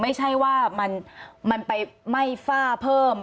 ไม่ใช่ว่ามันไปไหม้ฝ้าเพิ่ม